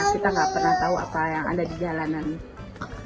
kita nggak pernah tahu apa yang ada di jalanan